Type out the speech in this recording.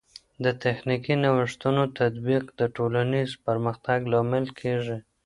د تخنیکي نوښتونو تطبیق د ټولنیز پرمختګ لامل کیږي.